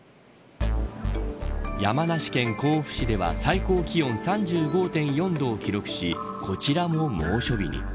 山梨県甲府市では最高気温３５．４度を記録しこちらも猛暑日に。